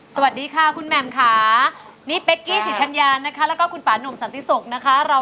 สวัสดีค่ะคุณแมมค่ะ